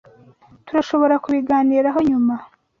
Turashobora kubiganiraho nyuma.